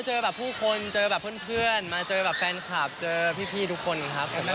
เจอแบบผู้คนเจอแบบเพื่อนมาเจอแบบแฟนคลับเจอพี่ทุกคนครับ